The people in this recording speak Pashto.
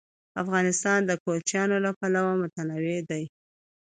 افغانستان د کوچیان له پلوه متنوع دی.